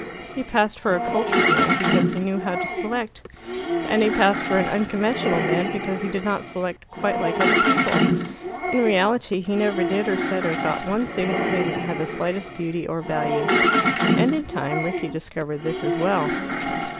He passed for a cultured man because he knew how to select, and he passed for an unconventional man because he did not select quite like other people. In reality he never did or said or thought one single thing that had the slightest beauty or value. And in time Rickie discovered this as well.